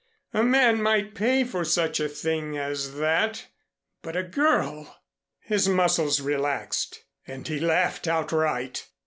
A man might pay for such a thing as that but a girl! His muscles relaxed and he laughed outright.